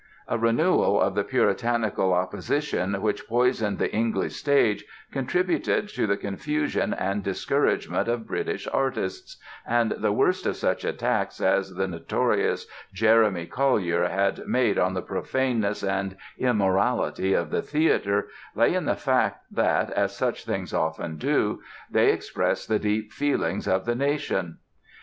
A renewal of the Puritanical opposition which poisoned the English stage contributed to the confusion and discouragement of British artists, and the worst of such attacks as the notorious Jeremy Collier had made on the "profaneness and immorality" of the theatre lay in the fact that, as such things often do, they expressed the deep feelings of the nation.